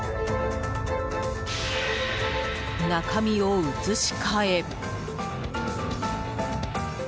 中身を移し替え。